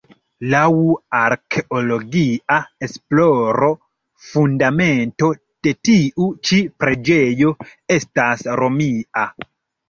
Laŭ arkeologia esploro fundamento de tiu ĉi preĝejo estas Romia.